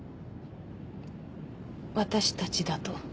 私たちだと。